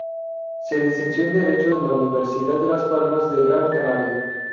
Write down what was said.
Se licenció en Derecho en la Universidad de Las Palmas de Gran Canaria.